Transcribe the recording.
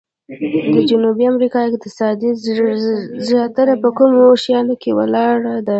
د جنوبي امریکا اقتصاد زیاتره په کومو شیانو ولاړ دی؟